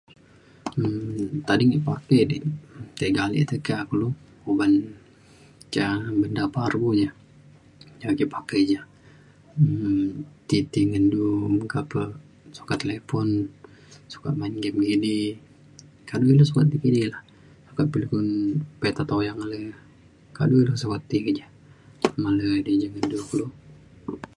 um tading [unintelligible] tiga ale tekak lu uban ca menda pa aro ia' ca ke pakai ja um ti ti ngan du meka pe sukat talipon sukat main game edi [unintelligible] lah meka pe un pita tuyang ale [unintelligible] ji ndu kulu